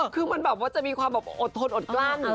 คือมันจะมีความอดทนอดกล้าน